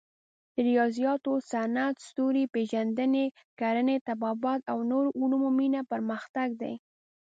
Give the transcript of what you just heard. د ریاضیاتو، صنعت، ستوري پېژندنې، کرنې، طبابت او نورو علومو مینه پرمختګ دی.